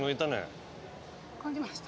感じました？